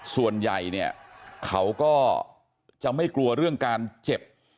ส่วนใหญ่เนี่ยเขาก็จะไม่กลัวเรื่องการเจ็บ